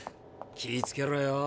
気ぃつけろよ。